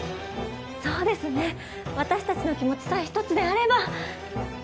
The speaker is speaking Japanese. そうですね私たちの気持ちさえ一つであれば。